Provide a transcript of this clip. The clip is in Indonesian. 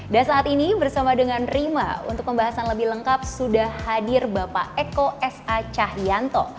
dan saat ini bersama dengan rima untuk pembahasan lebih lengkap sudah hadir bapak eko s a cahyanto